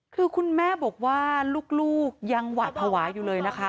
คือคุณแม่บอกว่าลูกยังหวาดภาวะอยู่เลยนะคะ